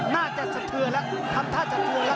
น่าจะสะทือแล้วทำท่าสะทือแล้ว